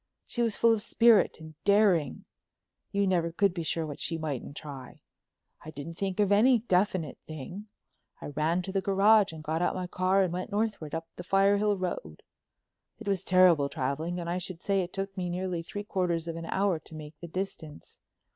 She was full of spirit and daring; you never could be sure of what she mightn't try. I didn't think of any definite thing. I ran to the garage and got out my car and went northward up the Firehill Road. It was terrible traveling, and I should say it took me nearly three quarters of an hour to make the distance.